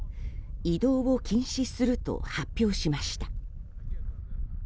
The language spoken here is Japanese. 移動を禁止すると発表しました。